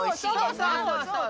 そうそうそう。